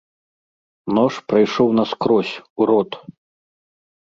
Нож прайшоў наскрозь, у рот.